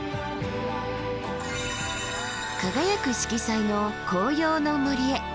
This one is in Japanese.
輝く色彩の紅葉の森へ。